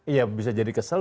iya bisa jadi kesel